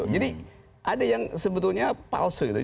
jadi ada yang sebetulnya palsu gitu